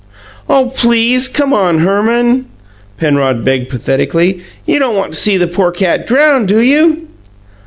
"Oh, PLEASE, come on, Herman!" Penrod begged pathetically. "You don't want to see the poor cat drown, do you?"